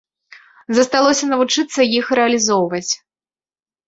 Засталося навучыцца іх рэалізоўваць.